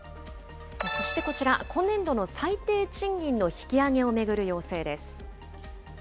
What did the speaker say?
そしてこちら、今年度の最低賃金の引き上げを巡る要請です。